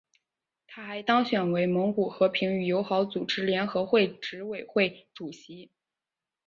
他还当选为蒙古和平与友好组织联合会执委会主席。